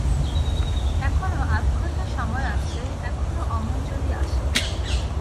এখনো আধঘন্টা সময় আছে, এখনো অমল যদি আসে।